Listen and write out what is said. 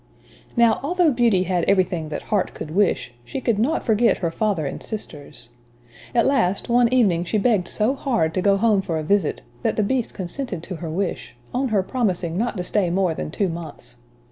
Now, although Beauty had everything that heart could wish, she could not forget her father and sisters. At last, one evening she begged so hard to go home for a visit, that the Beast consented to her wish, on her promising not to stay more than two months.